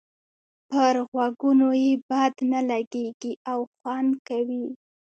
پر غوږونو یې بد نه لګيږي او خوند کوي.